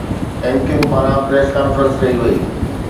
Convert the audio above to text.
M Q M پاران press conference ڪئي وئي